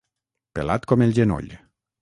Pelat com el genoll.